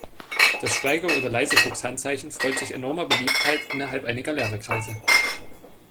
Das Schweige- oder Leisefuchs-Handzeichen freut sich enormer Beliebtheit innerhalb einiger Lehrer-Kreise.